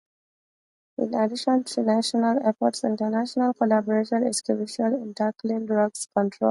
In addition to national efforts, international collaboration is crucial in tackling drugs control.